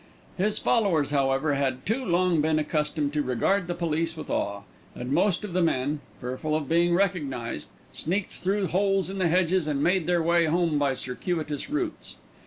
His followers, however, had too long been accustomed to regard the police with awe, and most of the men, fearful of being recognised, sneaked through holes in the hedges, and made their way home by circuitous routes.